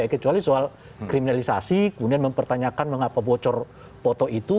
kecuali soal kriminalisasi kemudian mempertanyakan mengapa bocor foto itu